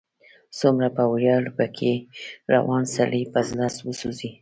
څومره په ویاړ، په کې روان، سړی په زړه وسوځي